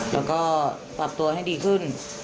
แล้วก็ปรับตัวให้ดีขึ้น